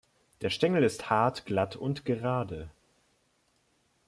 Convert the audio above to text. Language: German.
Der Stängel ist hart, glatt und gerade.